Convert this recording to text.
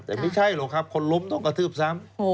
แต่ไม่ใช่หรอกครับคนล้มต้องกระทืบซ้ำ